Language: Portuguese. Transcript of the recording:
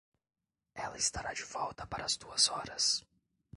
Ela estará de volta para as duas horas.